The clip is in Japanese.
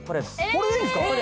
これでいいんですか！？